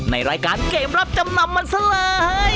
ในรายการเกมรับจำนำมันซะเลย